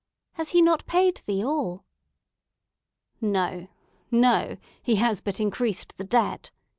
"Has he not paid thee all?" "No, no! He has but increased the debt!"